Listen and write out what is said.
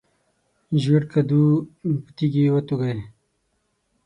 ژیړ کډو په تیږي وتوږه.